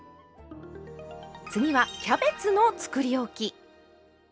次はキャベツのつくりおき。